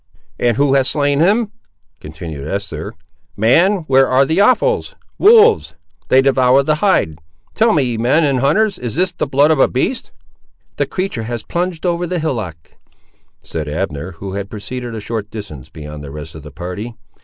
"And who has slain him?" continued Esther; "man where are the offals?—Wolves!—They devour not the hide! Tell me, ye men and hunters, is this the blood of a beast?" "The creatur' has plunged over the hillock," said Abner, who had proceeded a short distance beyond the rest of the party.